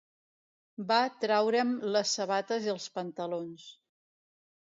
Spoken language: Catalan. Va traure'm les sabates i els pantalons.